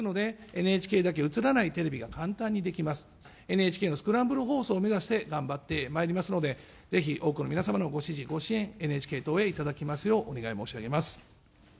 ＮＨＫのスクランブル放送を目指して頑張ってまいりますので、ぜひ多くの皆様のご支持、ご支援、ＮＨＫ党へ頂きますよう、お願い申し上げます。